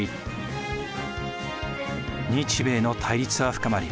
日米の対立は深まり